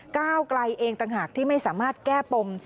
ก้าวไกลเองต่างหากที่ไม่สามารถแก้ปม